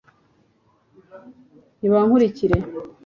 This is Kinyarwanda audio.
nibankurikire